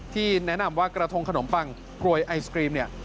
ที่แนะนำว่ากระทงขนมปังกรวยไอศกรีมเนี่ย